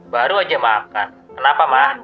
baru aja makan kenapa ma